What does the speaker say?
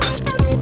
wah keren banget